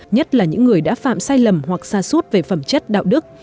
nhất là những người đã phạm sai lầm hoặc xa suốt về phẩm chất đạo đức